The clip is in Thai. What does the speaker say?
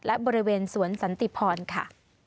และบริเวณสวนสันติพรค่ะ